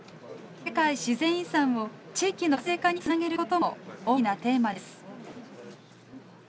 世界自然遺産を地域の活性化につなげることも大きなテーマです。